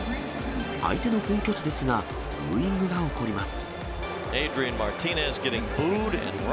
相手の本拠地ですが、ブーイングが起こります。